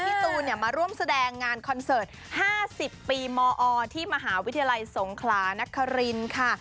พี่ตูนมาร่วมแสดงงานคอนเสิร์ต๕๐ปีมอที่มหาวิทยาลัยสงขลานครินค่ะ